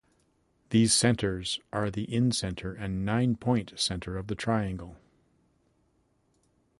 These centers are the incenter and nine-point center of the triangle.